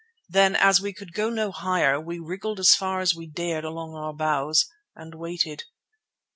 Then, as we could go no higher, we wriggled as far as we dared along our boughs and waited.